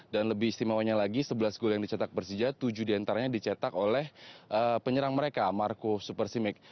dan lebih istimewanya lagi sebelas gol yang dicetak persija tujuh diantaranya dicetak oleh penyerang mereka marco supersimic